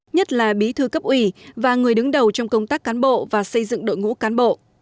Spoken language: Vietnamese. nhất là bí thư cấp ủy và người đứng đầu trong công tác cán bộ và xây dựng đội ngũ cán bộ